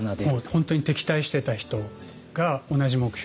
本当に敵対してた人が同じ目標のために。